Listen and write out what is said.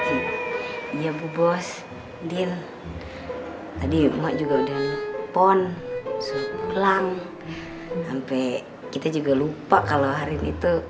iya bu bos din tadi mbak juga udah pon suruh pulang sampai kita juga lupa kalau hari itu